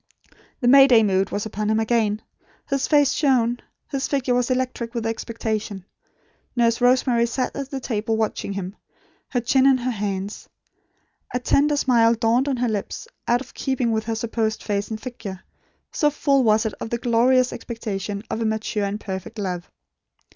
The May Day mood was upon him again. His face shone. His figure was electric with expectation. Nurse Rosemary sat at the table watching him; her chin in her hands. A tender smile dawned on her lips, out of keeping with her supposed face and figure; so full was it of the glorious expectation of a mature and perfect love.